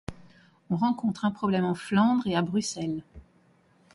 On rencontre un problème en Flandre et à Bruxelles.